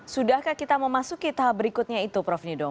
sudahkah kita memasuki tahap berikutnya itu prof nidom